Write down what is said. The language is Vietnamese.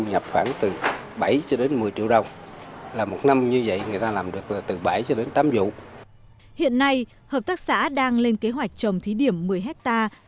hiện nay hợp tác xã đang lên kế hoạch trồng thí điểm một mươi hectare